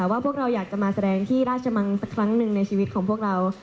ว่าพวกเราอยากจะมาแสดงที่ราชมังสักครั้งหนึ่งในชีวิตของพวกเรา